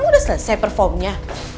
kamu udah selesai perform nya